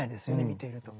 見ていると。